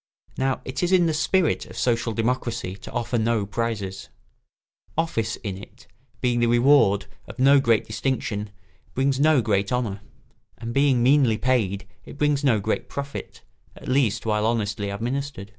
] Now it is in the spirit of social democracy to offer no prizes. Office in it, being the reward of no great distinction, brings no great honour, and being meanly paid it brings no great profit, at least while honestly administered.